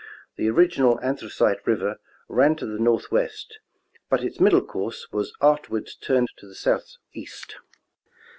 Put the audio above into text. The original Anthracite river ran to the northwest, but its middle course was afterwards turned to the southeast.